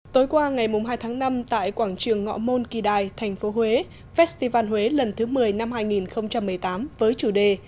tối qua ngày hai tháng năm tại quảng trường ngọ môn kỳ đài tp huế festival huế lần thứ một mươi năm hai nghìn một mươi tám với chủ đề